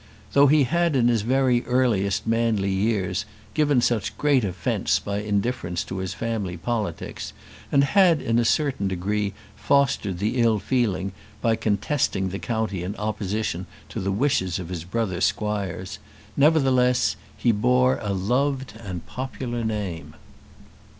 Though he had in his very earliest manly years given such great offence by indifference to his family politics, and had in a certain degree fostered the ill feeling by contesting the county in opposition to the wishes of his brother squires, nevertheless, he bore a loved and popular name.